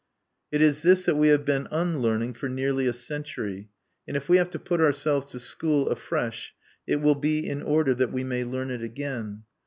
_' It is this that we have been unlearning for nearly a century; and if we have to put ourselves to school afresh, it will be in order that we may learn it again.